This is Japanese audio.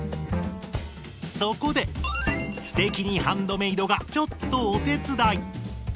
そこで「すてきにハンドメイド」がちょっとお手伝い。